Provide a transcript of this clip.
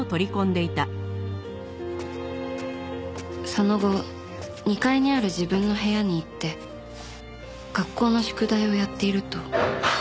その後２階にある自分の部屋に行って学校の宿題をやっていると。